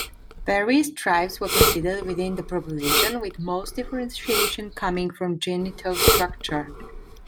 Various tribes were considered within the proposition, with most differentiation coming from genital structure.